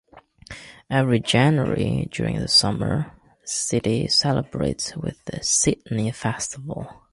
Every January during the summer, the city celebrates with the Sydney Festival.